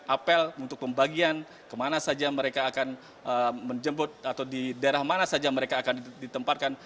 apel untuk pembagian kemana saja mereka akan menjemput atau di daerah mana saja mereka akan ditempatkan